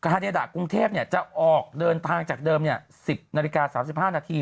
ฮาเดดะกรุงเทพจะออกเดินทางจากเดิม๑๐นาฬิกา๓๕นาที